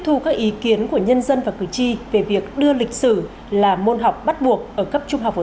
thu các ý kiến của nhân dân và cử tri về việc đưa lịch sử là môn học bắt buộc ở cấp trung học phổ